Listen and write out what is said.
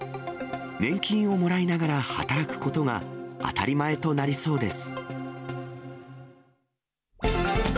年金をもらいながら働くことが、当たり前となりそうです。